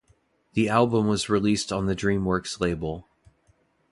The album was released on the DreamWorks label.